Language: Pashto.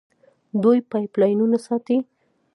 دوی پایپ لاینونه ساتي.